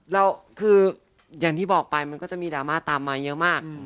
แล้วคืออย่างที่บอกไปมันก็จะมีดราม่าตามมาเยอะมาก